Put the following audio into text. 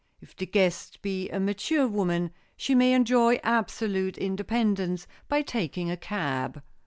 If the guest be a mature woman she may enjoy absolute independence by taking a cab.